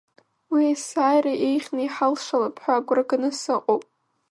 Уи ессаира еиӷьны иҳалшалап ҳәа агәра ганы сыҟоуп.